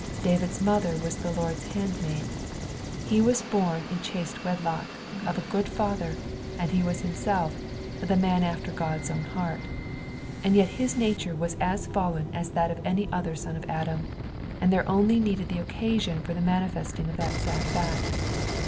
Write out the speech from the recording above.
David's mother was the Lord's handmaid, he was bom in chaste wedlock, of a good father, and he was himself " the man after God's own heart ;" and yet his nature was as fallen us that of any other son of Adam, and there only needed the oeeaaton for tl)« manifesting of that sad fact.